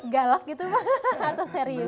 galak gitu atau serius